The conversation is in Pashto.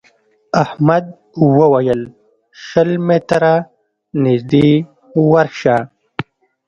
احمد وويل: شل متره نږدې ورشه.